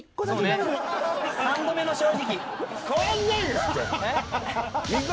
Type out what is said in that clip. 三度目の正直。